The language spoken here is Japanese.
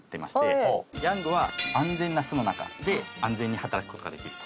ヤングは安全な巣の中で安全に働く事ができると。